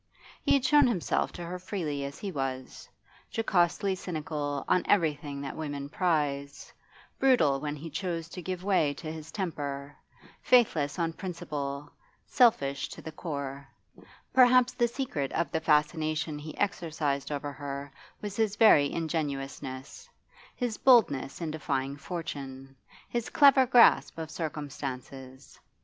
He had shown himself to her freely as he was, jocosely cynical on everything that women prize, brutal when he chose to give way to his temper, faithless on principle, selfish to the core; perhaps the secret of the fascination he exercised over her was his very ingenuousness, his boldness in defying fortune, his clever grasp of circumstances.